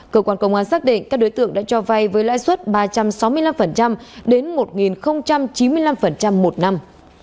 cơ quan công an xác định các đối tượng đã cho vay với lãi suất ba trăm sáu mươi năm đến một chín mươi năm một năm